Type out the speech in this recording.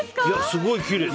すごいきれい。